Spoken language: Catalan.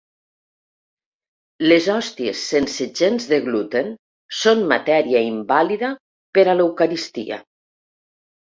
Les hòsties sense gens de gluten són matèria invàlida per a l’eucaristia.